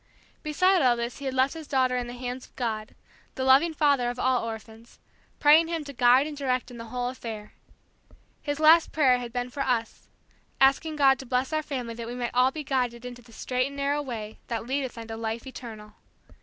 Beside all this he had left his daughter in the hands of God, the loving Father of all orphans, praying Him to guide and direct in the whole affair. His last prayer had been for us; asking God to bless our family that we might all be guided into the straight and narrow Way that leadeth unto life eternal.